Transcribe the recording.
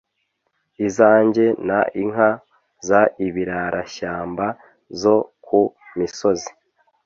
izanjye n inka z ibirarashyamba zo ku misozi